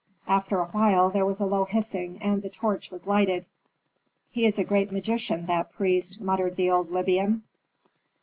After a while there was a low hissing, and the torch was lighted. "He is a great magician, that priest," muttered the old Libyan.